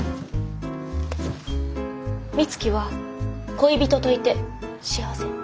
美月は恋人といて幸せ？